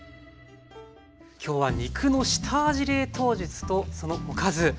今日は肉の下味冷凍術とそのおかず。